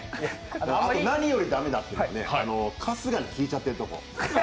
あと何より駄目だというのは春日に聞いちゃってるとこ。